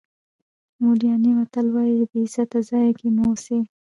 موریتاني متل وایي بې عزته ځای کې مه اوسئ.